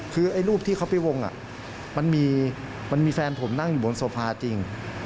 คือไอ้รูปที่เขาไปวงมันมีแฟนผมนั่งอยู่บนโซภาจริง